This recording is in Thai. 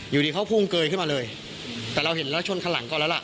อยู่ดีเขาพุ่งเกยขึ้นมาเลยแต่เราเห็นแล้วชนคันหลังก่อนแล้วล่ะ